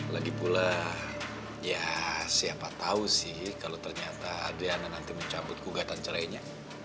lagipula ya siapa tahu sih kalau ternyata andrena nanti mencabut gugatan cerainya